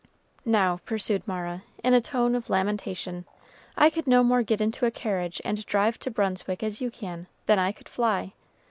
"Now," pursued Mara, in a tone of lamentation, "I could no more get into a carriage and drive to Brunswick as you can, than I could fly.